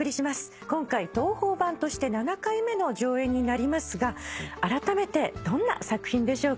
今回東宝版として７回目の上演になりますがあらためてどんな作品でしょうか？